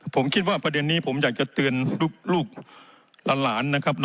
ผมคิดว่าประเด็นนี้ผมอยากจะเตือนลูกหลานนะครับ